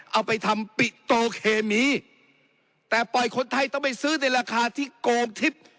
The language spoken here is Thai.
เอาไปทำปิโตเคมีแต่ปล่อยคนไทยต้องไปซื้อในราคาที่โกงทิพย์